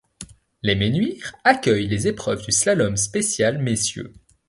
Les Menuires accueillent les épreuves du slalom spécial messieurs.